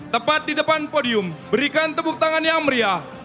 tepat di depan podium berikan tepuk tangan yang meriah